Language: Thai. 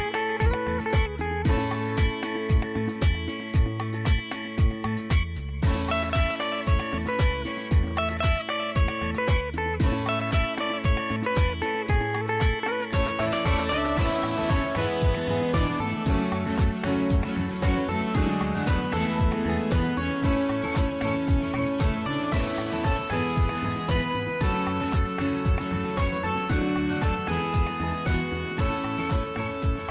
โปรดติดตามตอนต่อไป